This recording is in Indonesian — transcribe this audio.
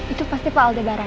itu pasti pak aldebaran